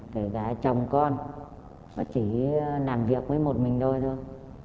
kể cả chồng con nó chỉ làm việc với một mình thôi thôi